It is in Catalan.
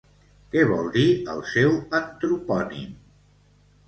Què vol dir el seu antropònim?